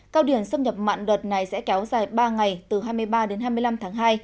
cao điểm xâm nhập mặn đợt này sẽ kéo dài ba ngày từ hai mươi ba đến hai mươi năm tháng hai